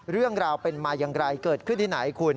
เรื่องราวเป็นมาอย่างไรเกิดขึ้นที่ไหนคุณ